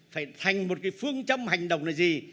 phải thành một cái phương châm hành động là gì